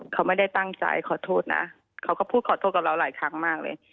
เขาไม่ได้ตั้งใจขอโทษนะเขาก็พูดขอโทษกับเราหลายครั้งมากเลย